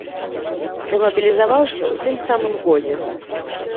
Дэмабілізаваўся ў тым самым годзе.